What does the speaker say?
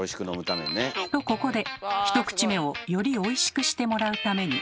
とここで１口目をよりおいしくしてもらうために。